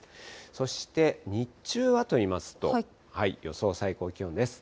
そして日中はといいますと、予想最高気温です。